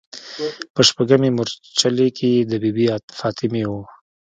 په شپږمې مورچلې کې د بي بي فاطمې و.